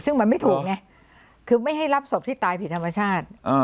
ซึ่งมันไม่ถูกไงคือไม่ให้รับศพที่ตายผิดธรรมชาติ